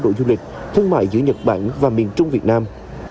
đã có một đợt du lịch trao đổi du lịch thương mại giữa nhật bản và miền trung việt nam